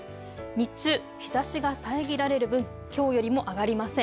日中、日ざしが遮られる分、きょうよりも上がりません。